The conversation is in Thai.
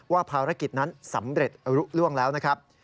ภารกิจนั้นสำเร็จล่วงแล้วนะครับ